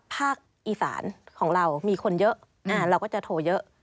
ภาคอีสานของเรามีคนเยอะเราก็จะโทรเยอะ